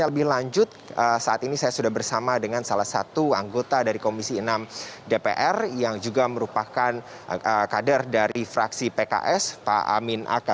lebih lanjut saat ini saya sudah bersama dengan salah satu anggota dari komisi enam dpr yang juga merupakan kader dari fraksi pks pak amin aka